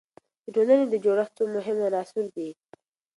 د ټولنې د جوړښت څو مهم عناصر څه دي؟